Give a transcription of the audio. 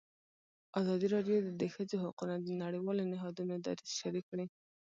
ازادي راډیو د د ښځو حقونه د نړیوالو نهادونو دریځ شریک کړی.